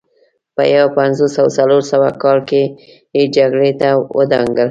په یو پنځوس او څلور سوه کال کې یې جګړې ته ودانګل